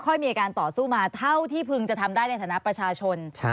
มีการต่อสู้มาเท่าที่พึงจะทำได้ในฐานะประชาชน